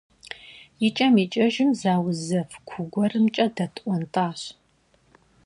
ИкӀэм-икӀэжым зы ауз зэв куу гуэрымкӀэ дэтӀуантӀащ.